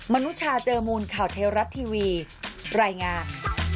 นุชาเจอมูลข่าวเทวรัฐทีวีรายงาน